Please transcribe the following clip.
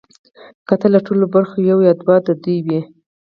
که له ټولو برخو یو یا دوه د دوی وي